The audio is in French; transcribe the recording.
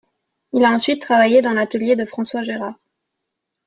Il a ensuite travaillé dans l'atelier de François Gérard.